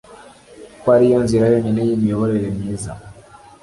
ko ariyo nzira yonyine y'imiyoborere myiza